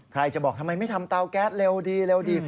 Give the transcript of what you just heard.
ใครจะบอกทำไมไม่ทำเตาแก๊สเร็วดีเร็วดี